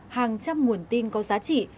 hàng trăm nguồn tin có giá trị